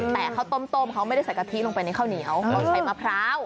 แต่ข้าวต้มเขาไม่ได้ใส่กะทิลงไปในข้าวเหนียวเขาใช้มะพร้าว